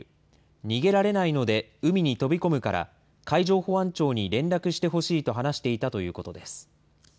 逃げられないので、海に飛び込むから海上保安庁に連絡してほしいと話していたということです。